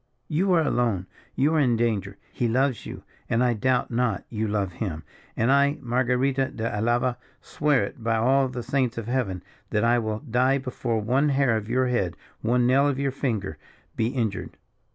You are alone, you are in danger, he loves you, and I doubt not you love him; and I, Marguerita de Alava, swears it, by all the saints of Heaven, that I will die before one hair of your head, one nail of your finger, be injured.